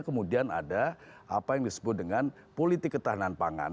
kemudian ada apa yang disebut dengan politik ketahanan pangan